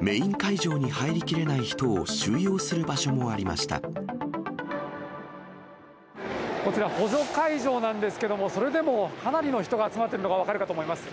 メイン会場に入りきれない人こちら、補助会場なんですけども、それでもかなりの人が集まってるのが分かるかと思います。